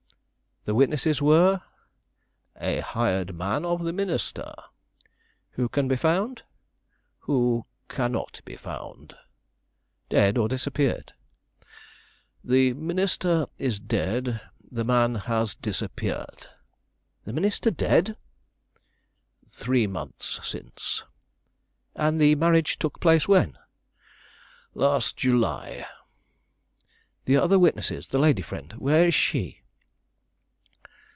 "The witnesses were " "A hired man of the minister " "Who can be found?" "Who cannot be found." "Dead or disappeared?" "The minister is dead, the man has disappeared." "The minister dead!" "Three months since." "And the marriage took place when?" "Last July." "The other witness, the lady friend, where is she?"